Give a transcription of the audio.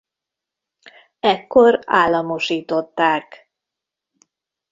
Ekkor államosították.